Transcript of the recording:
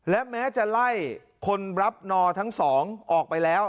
และแม้จะไล่คนรับนอทั้งสองออกไปแล้ว